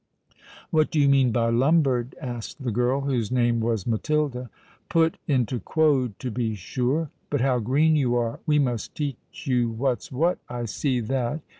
"What do you mean by lumbered?" asked the girl, whose name was Matilda. "Put into quod, to be sure. But how green you are. We must teach you what's what, I see that.